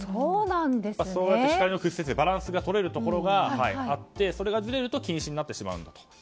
そうやって光の屈折でバランスがとれるところがあってそれがずれると近視になってしまうんだと。